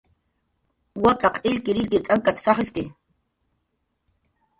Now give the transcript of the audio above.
"Wak'aq illkirillkir t'ankat"" sajiski"